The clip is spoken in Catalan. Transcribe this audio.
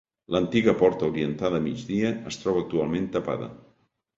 L'antiga porta orientada a migdia es troba actualment tapada.